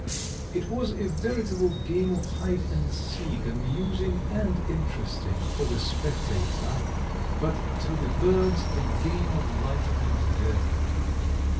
It was a veritable game of hide and seek, amusing and interesting for the spectator, but to the birds a game of life and death.